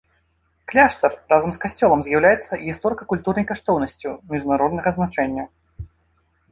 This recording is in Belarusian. Кляштар разам з касцёлам з'яўляецца гісторыка-культурнай каштоўнасцю міжнароднага значэння.